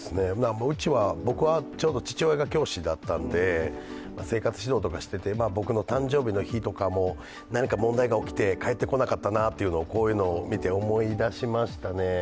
僕はちょうど父親が教師だったんで、生活指導とかしてて僕の誕生日の日も、何か問題が起きて帰ってこなかったなというのをこういうのを見て思い出しました。